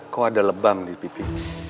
kok ada lebam di pipi